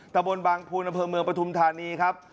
กระบวนบังภูนเผลอเมืองประธุมฐานีครับ